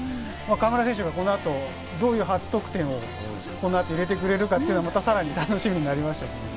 河村選手がこの後どういう初得点を入れてくれるかというのは、またさらに楽しみになりましたね。